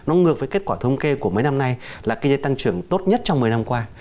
nó ngược với kết quả thông kê của mấy năm nay là kinh tế tăng trưởng tốt nhất trong một mươi năm qua